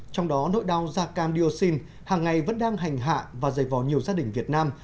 trong đó nỗi đau da cam dioxin hàng ngày vẫn đang hành hạ và dày vò nhiều gia đình việt nam